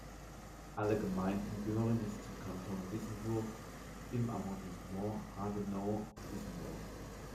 Alle Gemeinden gehören jetzt zum Kanton Wissembourg im Arrondissement Haguenau-Wissembourg.